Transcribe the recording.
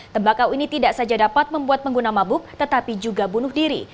tembakau ini tidak saja dapat membuat pengguna mabuk tetapi juga bunuh diri